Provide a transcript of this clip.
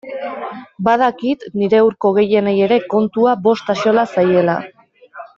Badakit nire hurko gehienei ere kontua bost axola zaiela.